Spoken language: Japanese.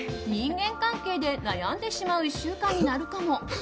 人間関係で悩んでしまう１週間になるかも。